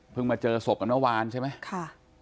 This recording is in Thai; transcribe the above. มาเจอศพกันเมื่อวานใช่ไหมค่ะ